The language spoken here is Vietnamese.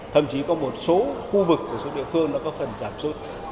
thậm chí có một số khu vực của số địa phương nó có phần giảm sụt